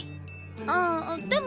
あでも。